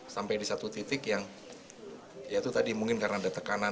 sampai di satu titik yang ya itu tadi mungkin karena ada tekanan